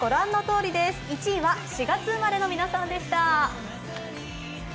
１位は４月生まれの皆さんでした。